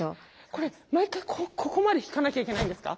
これ毎回ここまで引かなきゃいけないんですか？